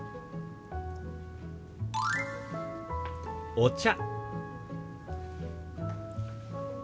「お茶」。